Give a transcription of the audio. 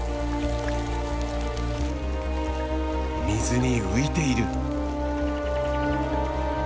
水に浮いている。